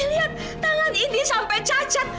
lihat tangan ini sampai cacat